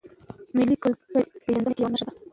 مېلې د کلتوري پیژندني یوه نخښه ده.